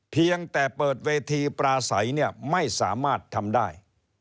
เพียงแต่เปิดเวทีปลาใสเนี่ยไม่สามารถทำได้